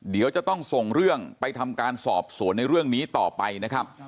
เดี๋ยวจะต้องส่งเรื่องไปทำการสอบสวนในเรื่องนี้ต่อไปนะครับ